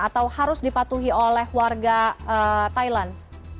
atau harus dipatuhi oleh warga thailand